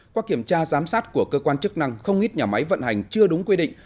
qua kiểm tra giám sát của cơ quan chức năng không ít nhà máy vận hành chưa đúng quy định